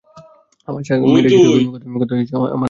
আমার স্বামীর এইরকমের কথায় আমার ভারি রাগ হত।